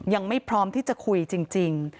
ยังไม่พร้อมที่จะคุยจริง